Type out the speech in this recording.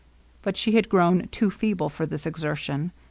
But she had grown too feeble for this exertion.